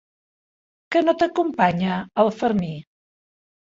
Que no t'acompanya el Fermí?